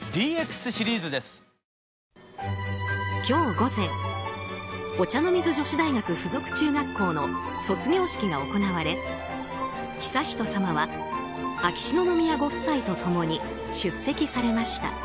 今日午前お茶の水女子大学附属中学校の卒業式が行われ悠仁さまは秋篠宮ご夫妻と共に出席されました。